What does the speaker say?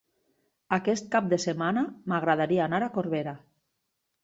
Aquest cap de setmana m'agradaria anar a Corbera.